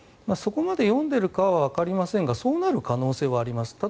そこまで読んでいるかはわかりませんがそうなる可能性はあります。